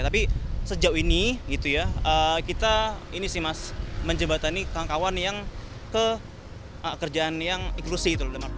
tapi sejauh ini gitu ya kita ini sih mas menjembatani kawan kawan yang kerjaan yang inklusif